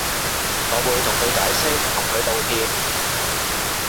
我會同佢解釋同佢道歉